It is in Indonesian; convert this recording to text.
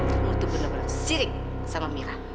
kamu tuh bener bener sirik sama mira